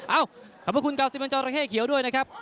เอ้าขอบคุณกาวซิมันจอราเข้เขียวด้วยนะครับ